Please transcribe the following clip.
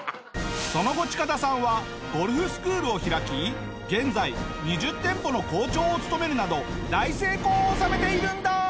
その後チカダさんはゴルフスクールを開き現在２０店舗の校長を務めるなど大成功を収めているんだ！